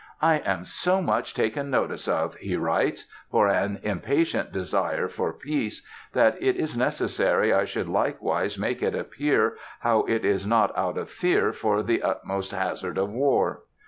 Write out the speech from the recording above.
"I am so much taken notice of," he writes, "for an impatient desire for peace, that it is necessary I should likewise make it appear how it is not out of fear for the utmost hazard of war."